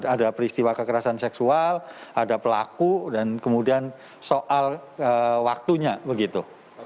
ada peristiwa kekerasan seksual ada pelaku dan kemudian soal waktunya begitu